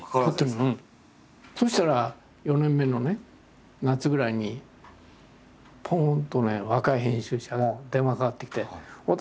そしたら４年目のね夏ぐらいにポンとね若い編集者から電話かかってきて。